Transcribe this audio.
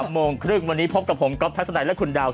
โมงครึ่งวันนี้พบกับผมก๊อฟทัศนัยและคุณดาว